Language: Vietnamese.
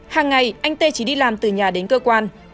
hàng ngày anh tê chỉ đi làm từ nhà đến cơ quan